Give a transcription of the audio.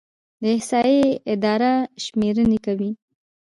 د احصایې اداره شمیرنې کوي